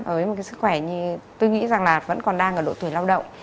với một sức khỏe như tôi nghĩ là vẫn còn đang ở độ tuổi lao động